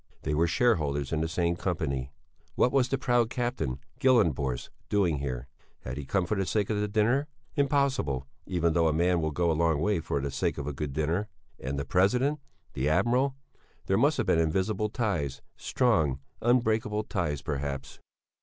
They were shareholders in the same company! What was the proud Captain Gyllenborst doing here? Had he come for the sake of the dinner? Impossible, even though a man will go a long way for the sake of a good dinner. And the President? The Admiral? There must have been invisible ties, strong, unbreakable ties perhaps.